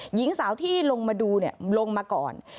หญิงสาวที่ลงมาดูลงมาก่อน